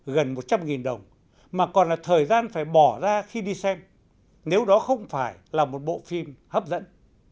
gần một trăm linh đồng mà còn là thời gian phải bỏ ra khi đi xem nếu đó không phải là một bộ phim hấp dẫn